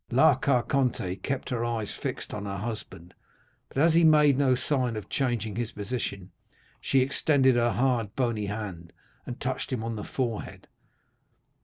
La Carconte still kept her eyes fixed on her husband, but as he made no sign of changing his position, she extended her hard, bony hand, and touched him on the forehead.